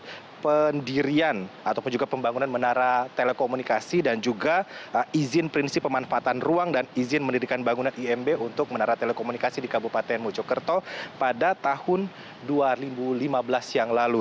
jadi pendirian ataupun juga pembangunan menara telekomunikasi dan juga izin prinsip pemanfaatan ruang dan izin mendirikan bangunan imb untuk menara telekomunikasi di kabupaten mojokerto pada tahun dua ribu lima belas yang lalu